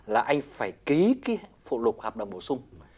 là anh phải ký phụ lục hợp đồng bổ sung